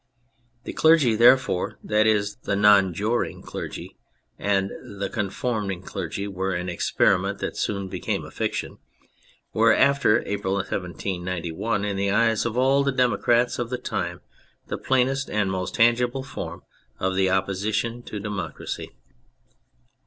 The clergy, therefore, that is the non juring clergy (and the conforming clergy were an experiment that soon became a fiction), were after April 1791, in the eyes of all the demo crats of the time, the plainest and most tangible form of the opposition to democracy.